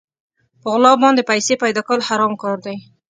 په غلا باندې پيسې پيدا کول حرام کار دی.